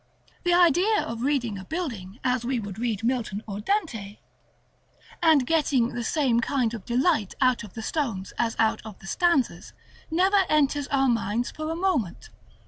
The idea of reading a building as we would read Milton or Dante, and getting the same kind of delight out of the stones as out of the stanzas, never enters our minds for a moment.